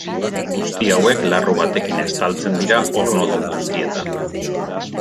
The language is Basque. Guzti hauek larru batekin estaltzen dira ornodun guztietan.